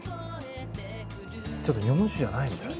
ちょっと日本酒じゃないみたい。